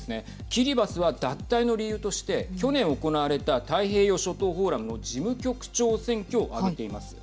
キリバスは脱退の理由として去年、行われた太平洋諸島フォーラムの事務局長選挙を挙げています。